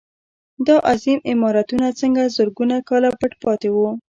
دا عظیم عمارتونه څنګه زرګونه کاله پټ پاتې وو.